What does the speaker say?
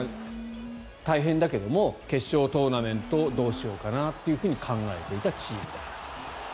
大変だけども決勝トーナメントどうしようかなっていうふうに考えていたチームであると。